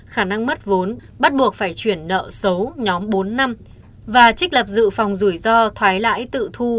khả năng mất vốn bắt buộc phải chuyển nợ xấu nhóm bốn năm và trích lập dự phòng rủi ro thoái lãi tự thu